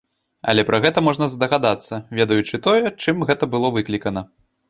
Але пра гэта можна здагадацца, ведаючы тое, чым гэта было выклікана.